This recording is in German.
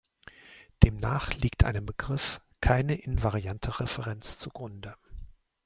Demnach liegt einem Begriff keine invariante Referenz zugrunde.